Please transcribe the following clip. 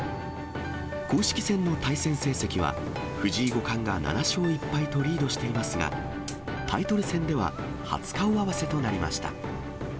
公式戦の対戦成績は、藤井五冠が７勝１敗とリードしていますが、タイトル戦では、初顔合わせとなりました。